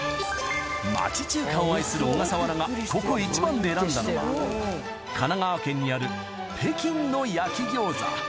町中華を愛するオガサワラがここ一番で選んだのは神奈川県にある北京の焼き餃子